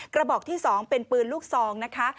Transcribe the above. กระบอกที่๒เป็นปืนลูกซองนะคะ